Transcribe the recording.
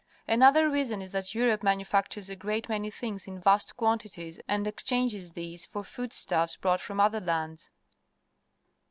Another reason is that Europe manu factures a great many things in vast quan tities and exchanges these for foodstuffs brought from other lands.